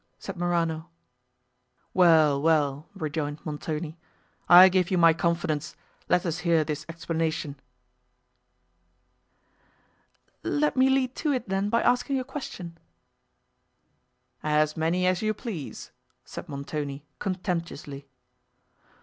said Morano. "Well, well," rejoined Montoni, "I give you my confidence; let us hear this explanation." "Let me lead to it then, by asking a question." "As many as you please," said Montoni, contemptuously.